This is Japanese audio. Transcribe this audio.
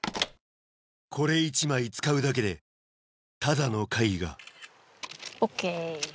これ１枚使うだけでただの貝がＯＫ。